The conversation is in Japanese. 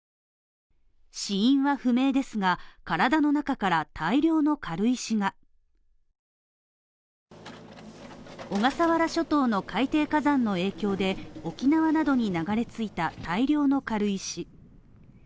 死因は不明ですが、体の中から大量の軽石が小笠原諸島の海底火山の影響で、沖縄などに流れ着いた大量の軽石